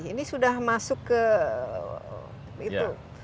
ini sudah masuk ke itu